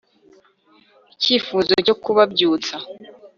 icyifuzo cyo kubabyutsa